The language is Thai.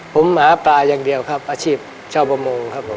ผมหมาปลาอย่างเดียวครับอาชีพชาวประมงครับผม